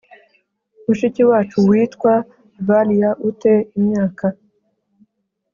Mushiki wacu witwa Valya u te imyaka